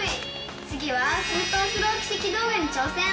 次はスーパースロー奇跡動画に挑戦。